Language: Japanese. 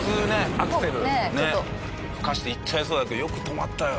アクセルねふかして行っちゃいそうだけどよく止まったよ。